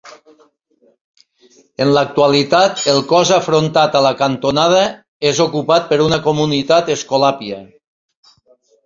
En l'actualitat, el cos afrontat a la cantonada és ocupat per una comunitat escolàpia.